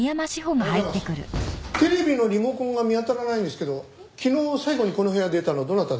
テレビのリモコンが見当たらないんですけど昨日最後にこの部屋を出たのはどなたですかね？